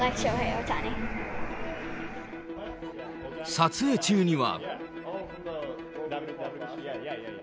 撮影中には。